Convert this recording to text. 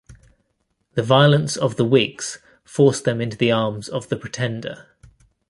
The violence of the Whigs forced them into the arms of the Pretender.